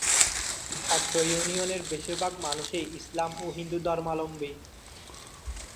অত্র ইউনিয়নের বেশীর ভাগ মানুষই ইসলাম ও হিন্দু ধর্মালম্বী।